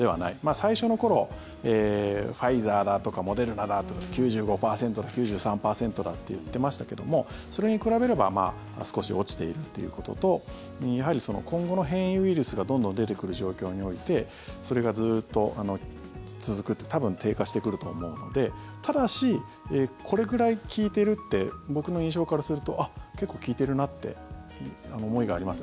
最初の頃ファイザーだとかモデルナだとか９５％だ、９３％だって言ってましたけどもそれに比べれば少し落ちているということと今後の変異ウイルスがどんどん出てくる状況においてそれがずっと続く多分、低下してくると思うのでただし、これくらい効いてるって僕の印象からするとあっ、結構効いてるなって思いがあります。